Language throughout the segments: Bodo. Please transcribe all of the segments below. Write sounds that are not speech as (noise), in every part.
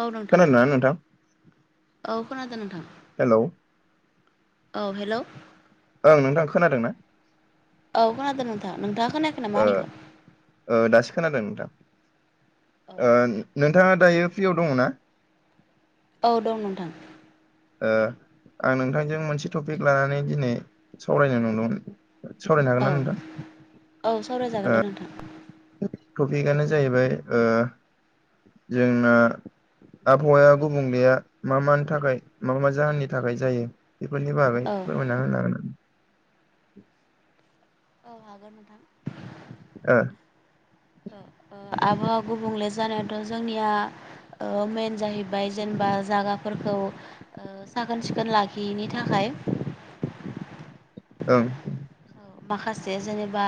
औ नोंथां खोनादोंना नोंथां औ खोनादों नोंथां हेलौ औ हेलौ ओं नोंथां खोनादोंना? औ खोनादो नोंथां नोंथाङा खोनायाखै नामा ओ आंनिखो ओ दासो खोनादों ओ औ नोंथां नोंथाङा दायो फ्रियाव दङना औ दं नोंथां आं नोंथांजों मोनसे टपिक लानानै दिनै सावरायनो नंदोंमोन सावरायनो हागोन औ ना नोंथां औ सावरायजागोन दे नोंथां टपिकआनो जाहैबाय ओ जोंना आबहावाया गुबुंलेया मा मानि थाखाय मा मा जाहोननि थाखाय जायो बेफोरनि बागै औ फोरमायना होनो हागोन अ हागोन नोंथां ओ ओ आबहावा गुबुंले जानायाथ' जोंनिया ओ मेन जाहैबाय जेनबा जागा फोरखौ साखोन सिखोन लाखियैनि थाखाय ओं माखासे जेनेबा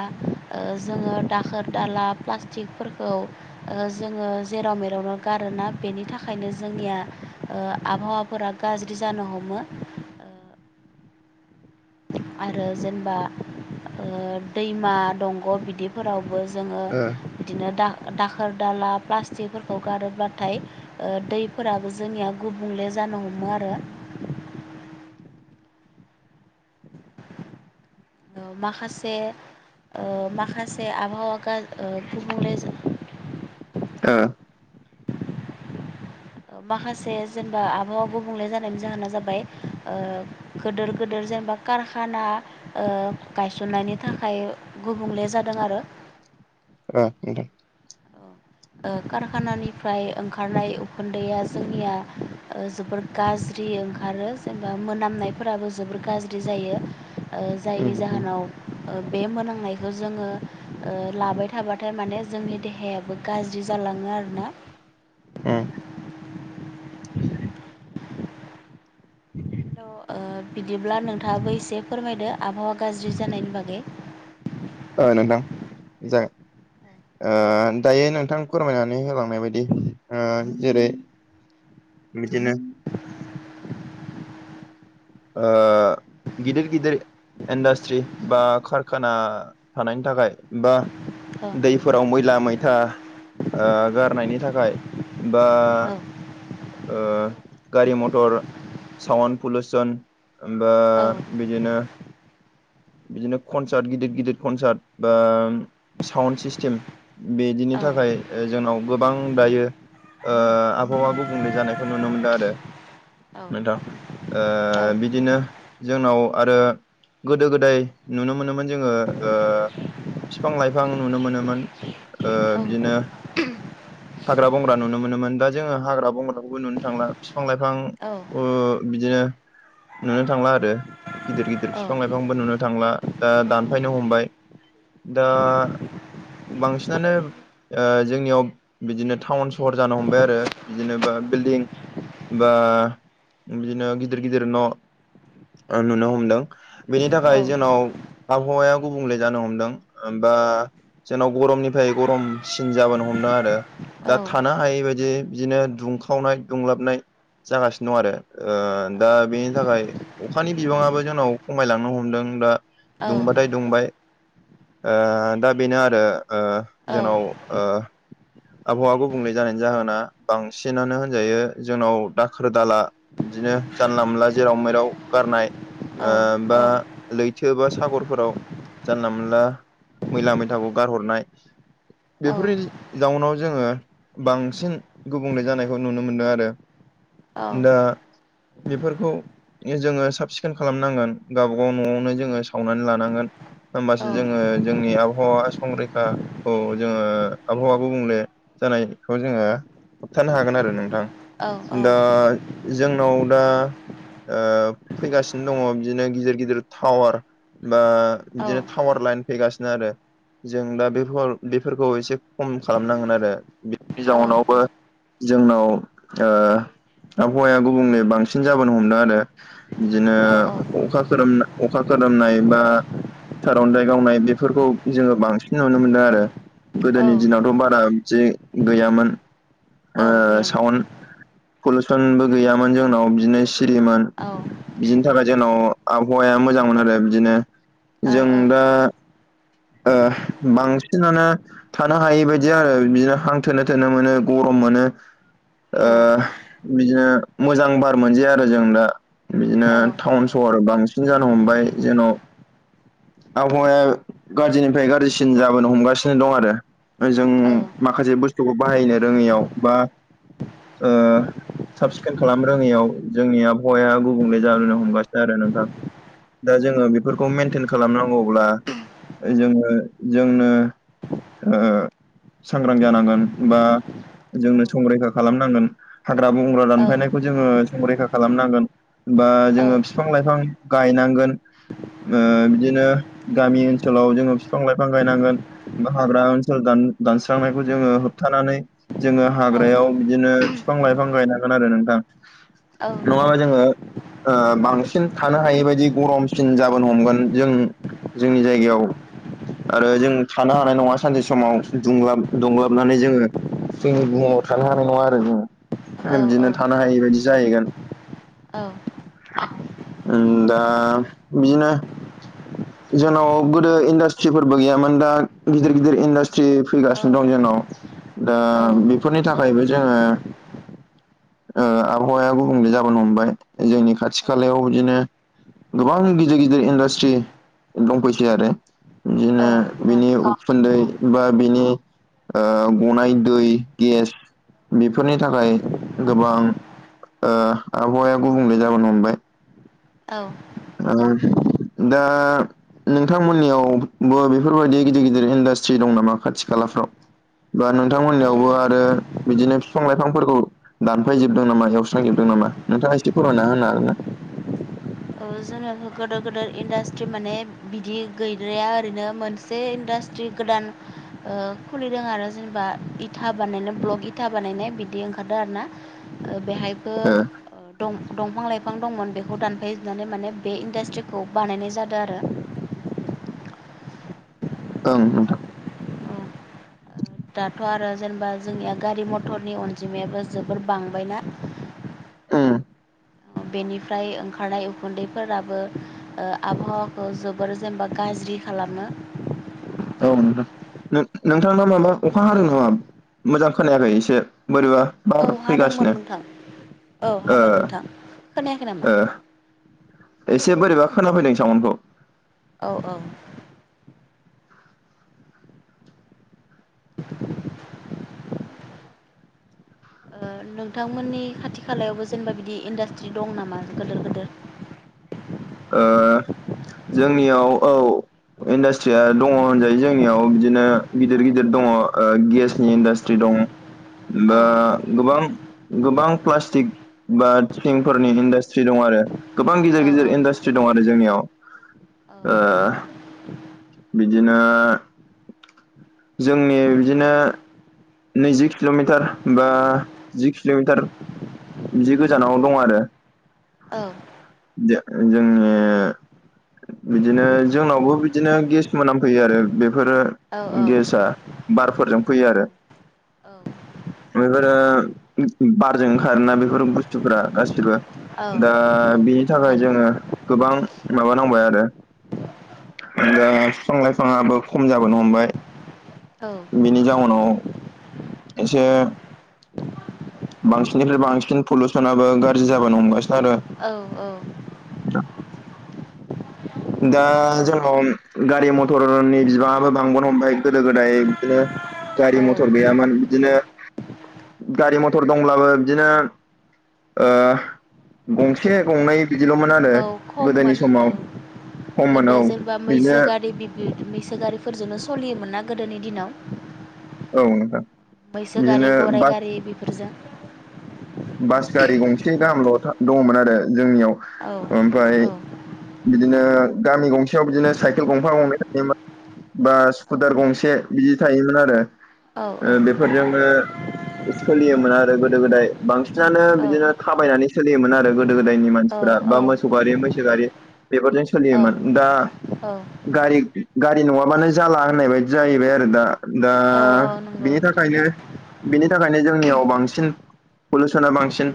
ओ जोङो दाखोर दाला प्लास्टिकफोरखौ ओ जोङो जेराव मेरावनो गारोना बेनि थाखायनो जोंनिया ओ आबहावाफोरा गाज्रि जानो हमो आरो जेनबा ओ दैमा दंग' बिदि फोरावबो जोङो ओ बिदिनो दा दाखोर दाला प्लास्टिकफोरखौ गारोब्लाथाय दै फोराबो जोंनिया गुबुंले जानो हमो आरो ओ माखासे ओ माखासे आबहावा गा गुबुंले ओ ओ माखासे जेनेबा आबहावा गुबुंले जानायनि जाहोना जाबाय ओ गोदोर गोदोर जेनेबा कारखाना गायसननायनि थाखाय गुबुंले जादों आरो ओ नोंथां ओ कारखानानिफ्राय ओंखारनाय उखुन्दैआ जोंनिया ओ जोबोर गाज्रि ओंखारो जेनेबा मोनामनायफोराबो जोबोर गाज्रि जायो। ओ उम जायनि उम जाहोनाव बे मोनांनायखौ जोङो लाबाय थाबाथाय माने जोंनि देहायाबो गाज्रि जालाङो आरोना उम (inaudible) थ' बिदिब्ला नोंथाङाबो एसे फोरमायदो आबहावा गाज्रि जानायनि बागै ओ नोंथां जागोन। दायो नोंथां फोरमायनानै होलांनाय बायदि जेरै बिदिनो (inaudible) ओ गिदिर गिदिर इनदान्स्ट्रि बा कारखाना थानायनि थाखाय बा औ दैफोराव मैला मैथा गारनायनि थाखाय बा गारि मथर साउन्द पलुसन होनबा औ बिदिनो बिदिनो कनसार्ट गिदिर गिदिर कनसार्ट बा साउन्ड सिस्टेम औ बिदिनि थाखाय जोंनाव गोबां दायो आबहावा गुबुंले जानायखौ नुनो मोनदों आरो। नोंथां औ बिदिनो जोंनाव आरो गोदो गोदाय दै नुनो मोनोमोन जोङो बिफां लाइफां नुनो मोनोमोन। औ बिदिनो हाग्रा बंग्रा नुनो मोनोमोन दा जोङो हाग्रा बंग्राखौबो नुनो थांला बिफां लाइफां बिदिनो नुनो थांला आरो। गिदिर गदिर बिफां लाइफांबो नुनो थांला दा दानफायनो हमबाय दा बांसिनानो जोंनियाव बिदिनो टाउन सहर जानो हमबाय आरो बिदिनोबा बिल्डिं बा बिदिनो गिदिर गिदिर न' नुनो हमदों बेनि थाखाय औ जोंनाव आबहावाया गुबुंले जानो हमदों बा जोंनाव गरमनिफ्राय गरमसिन जाबोनो हमदों आरो दा थाना हाय बायदि बिदिनो दुंखावनाय दुंलाबनाय जागासिनो दं आरो दा बेनि थाखाय अखानि बिबाङाबो जोंनाव खमायलांनो हमो। दा औ दुंबाथाय दुंबाय दा बेनो आरो। औ जोंनाव ओ आबहावा गुबुंले जानायनि जाहोना बांसिनानो होनजायो जोंनाव दाखोर दाला बिदिनो जानला मोनला जेराव मैेराव गारनाय औ बा लैथो बा सागरफोराव जानला मोनला मैला मैथाखौ गारहरनाय औ बेफोरनि जाउनाव जोङो बांसिन गुबुंले जानायखौ नुनो मोनदों आरो। औ दा बेफोरखौ जोङो साब सिखोन खालामनांगोन गाव न'आवनो जोङो सावनानै लानांगोन होमबासो जोङो जोंनि आबहावा संरैखाखौ जोङो आबहावा गुबुंले जानायखौ जोङो होबथानो हागोन आरो नोंथां दा जोंनाव दा फैगासिनो दङ बिदिनो गिदिर गिदिर बिल थावार बा बिदिनो थावार लाइन फैगासिनो आरो जों दा बेफोर बेफोरखौ एसे खम खालामनांगोन आरो। बिनि जाउनावबो जोंनाव आबहावाया गुबुंले बांसिन जाबोनो हमदों आरो। बिदिनो अखा खोरोम नाय अखा खोमनाय बा सार'अन्थाइ गावनाय बेफोरखौ जोङो बांसिन नुनो मोनदों आरो। गोदोनि दिनावथ' बारा जि गैयामोन दं साउन्ड पलुसनबो गैयामोन जोंनाव बिदिनो सिरिमोन। बिनि थाखाय जोंनाव आबहावाया मोजांमोन आरो बिदिनो जों दा बांसिनानो थानो हायि बदि आरो बिदिनो हां थोनो -थोनो मोनो गरम मोनो बिदिनो मोजां बार मोनजाया आरो जों दा बिदिनो टाउन सहर बांसिन जानो हमबाय जेन' आबहावाया गाज्रिनिफ्राय गाज्रिसिन जाबोनो हमगासिनो दं आरो ओजों औ माखासे बुस्थुखौ बाहायनो रोङैयाव बा ओ साब सिखोन खालाम रोङैयाव जोंनि आबहावाया गुबुंले जालोनो हमगासिनो आरो नोंथां। दा जोङो बेफोरखौ मेन टेन खालामनांगौब्ला जोङो जोंनो ओ सांग्रां जानांगोन बा जोंनो संरैखा खालामनांगोन हाग्रा-बंग्रा दानफायनायखौ जोङो संरैखा खालामनांगोन बा जोङो बिफां-लाइफां गायनांगोन ओ बिदिनो गामि ओनसोलाव जोङो बिफां-लाइफां गायनांगोन। हाग्रा ओनसोल दानस्रांनायखौ जोङो होबथानानै जोङो हाग्रायाव बिदिनो बिफां-लाइफां गायनांगोन आरो नोंथां। नङाबा जोङो बांसिन थानो हायै बायदि गरमसिन जाबोन हमगोन। जों जोंनि जायगायाव आरो जों थानो हानाय नङा सानसे समाव दुंलाब- दुंलाबनानै जोङो जोंनि बुहुमाव थानो हानाय नङा आरो जों बिदिनो थानो हायै बायदि जाहैगोन। औ ओ दा बिदिनो जोंनाव गोदो इन्डास्ट्रिफोरबो गैयामोन दा गिदिर- गिदिर इन्डास्ट्रि फैगासिनो दं जोंनाव दा बेफोरनि थाखायबो जोङो आबहावाया गुबुंले जाबोनो हमबाय जोंनि खाथि खालायाव बिदिनो गोबां गिदिर- गिदिर इन्डास्ट्रि दंफैसै आरो बिदिनो बिनि उखुन्दै बा बेनि गनाय दै, गेस बेफोरनि थाखाय गोबां आबहावाया गुबुंले जाबोनो हमबाय। औ (unintelligible) दा नोंथांमोननियावबो बेफोरबायदि गिदिर- गिदिर इन्डास्ट्रि दं नामा खाथि खालाफ्राव बा नोंथांमोननियावबो ओ आरो बिदिनो बिफां- लाइफांफोरखौ दानफायजोबदों नामा एवस्रांजोबदों नामा नोंथाङा एसे फरायना होनो हागोन ना? जोंना गिदोर-गिदेर इन्डासट्रि माने बिदि गैद्राया ओरैनो मोनसे मोनसे इन्डासट्रि गोदान खुलिदों आरो जेनेबा इथा बानायनाय ब्लग इथा बानायनाय बिदि ओंखारदों आर ना। बेहायबो दंफां- लाइफां दंमोन बेखौ दानफाय नानै माने बे इन्डासट्रिखौ बानायनाय जादों आरो। ओं नोंथां औ (inaudible) दाथ' आरो जेनेबा जोंनिया गारि मथरनि अनजिमायाबो जोबोर बांबायना ओ बेनिफ्राय ओंखारनाय उखुन्दैफोराबो ओ आबहावाखौ जोबोर जेनेबा गाज्रि खालामो औ नोंथां नोंथांना माबा अखा हादों नामा मोजां खोनायाखै एसे बोरा औ हादोंमोन नोंथां औ ओ हादों नोंथां खोनायाखै ओ नामा? एसे बोरैबा खोना फैदों सावनखौ औ औ नोंथांमोननि खाथि खालायावबो जेनेबा बिदि इन्डास्ट्रि दं नामा गोदोर गोदोर ओ जोंनियाव औ इन्डास्ट्रिया दङ होनजायो जोंनियाव बिदिनो औ गिदिर गिदिर दङ गेसनि इन्डासट्रि दं औ दा गोबां गोबां प्लास्टिक बा थिंफोरनि इन्डास्ट्रि दं आरो गोबां गिदिर औ गिदिर औ इन्डास्ट्रि दं आरो जोंनियाव ओ बिदिनो जोंनि बिदिनो नैजि किल'मिटार बा जि किल'मिटार बिदि गोजानावनो दं आरो औ जोङो बिदिनो जोंनावबो बिदिनो गेस मोनामफैयो आरो बेफोरो गेसआ बारफोरजों फैयो आरो औ बेफोरो बारजों ओंखारोना बेफोर बुस्थुफोरा गासैबो औ दा बिनि थाखाय ओंखारो जोङो गोबां माबानांबाय आरो दा बिफां लाइफाङाबो खम जाबोनो हमबाय औ बिनि जाउनाव एसे बांसिननिफ्राय बांसिन पलिउसनाबो गाज्रि जाबोनो हमगासिनो आरो औ औ ज दा जोंनाव गारि मथरनि बिबाङाबो बांबोनो हमबाय गोदो गोदाय बिदिनो गारि औ मथर गैयामोन बिदिनो गारि मथर दंब्लाबो बिदिनो गंसे गंनै बिदिल'मोन। आरो औ गोदोनि खममोन औ समाव खममोन गोदो औ जेनेबा बिदिनो मैसो गारि मैसो गारिफोरजोंनो सोलियोमोन ना गोदोनि दिनाव औ नोंथां मैसो गारि बिदिनो गराइ बास गारि बेफोरजों बास गारि गंसे गाहामल' दङमोन आरो जोंनियाव औ ओमफ्राय औ बिदिनो गामि गंसेयाव बिदिनो साइकेल गंफा गंनै थायोमाोन बा औ स्कुटार गंसे बिदि थायोमोन आरो औ बेफोरजोंनो सोलियोमोन आरो गोदो गोदाय बांसिनानो बिदिनो थाबायनानै सोलियोमोन आरो गोदो गोदायनि औ मानसिफ्रा बा मोसौ गारि मैसो गारि बेफोरजों औ सोलियोमोन दा औ गारि गारि नङाबानो जाला होननाय बायदि जाहैबाय आरो दा दा औ औ नंगौ बिनि थाखायनो बिनि थाखायनो जोंनियाव बांसिन पलिउसना बांसिन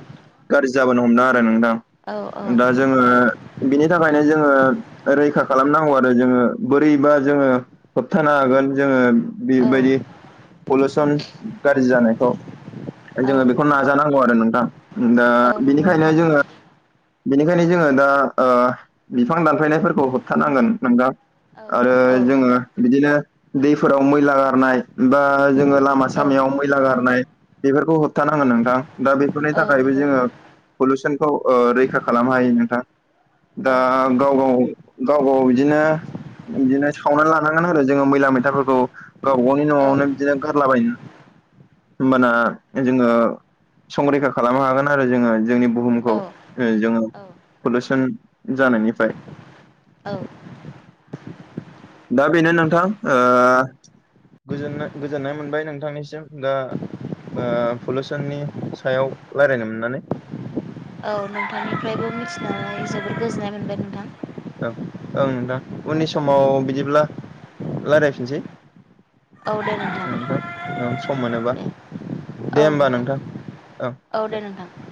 गाज्रि जाबोनो हमदों आरो नोंथां। औ औ दा बिनि थाखायनो जोङो रैखा खालामनांगौ आरो जोङो बोरैबा जोङो। होबथानो हागोन जोङो औ बेबायदि पलिउसन गाज्रि जानायखौ औ जोङो बेखौ नाजानांगौ आरो नोंथां दा औ नंगौ बेनिखायनो नोंथां जोङो बेनिखायनो जोङो दा बिफां दानफायनायफोरखौ होबथानांगोन नोंगां औ आरो औ जोङो बिदिनो दैफोराव मैला गारनाय बा जोङो। लामा औ सामायाव मैला गारनाय बेफोरखौ होबथानांगोन नोंथां दा बेफोरनि औ थाखायबो नंगौ जोङो। पलुसनखौ रैखा खालामनो हायो नोंथां। दा औ गाव गाव गाव गाव बिदिनो बिदिनो सावनानै लानांगोन आरो जोङो मैला मैथाफोरखौ गावबा गावनि औ न'आवनो बिदिनो गारलाबायनो होमबाना जोङो संरैखा खालामनो हागोन आरो जोङो जोंनि बुहुमखौ जोङो पलिउसन जानायनिफ्राय औ दा बेनो नोंथां ओ। गोजोननाय मोनबाय नोंथांनिसिम दा ओ पलिुसननि सायाव रायज्लायनो मोननानै। औ नोंथांनिफ्रायबो मिथिनानै जोबोद गोजोननाय मोनबाय नोंथां। औ ओं दा उननि समाव बिदिब्ला रायज्लायफिनसै। औ दे नोंथां। नोंथां ओं सम मोनोबा। दे दे होमबा नोंथां औ। औ दे नोंथां।